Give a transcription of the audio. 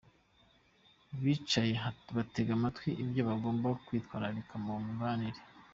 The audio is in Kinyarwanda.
Bicaye batega amatwi ibyo bagomba kwitwararika mu mibanire.